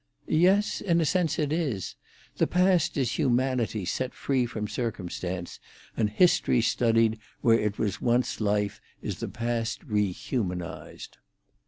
"Yes, in a sense it is. The past is humanity set free from circumstance, and history studied where it was once life is the past rehumanised."